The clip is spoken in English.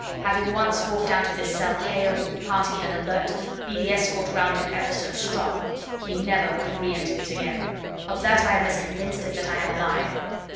Having once walked out of this cell hale, hearty and alert, be the escort round him ever so strong, he never would have re entered it again. Of that I am as convinced as that I am alive.